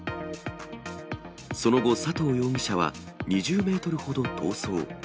その後、佐藤容疑者は２０メートルほど逃走。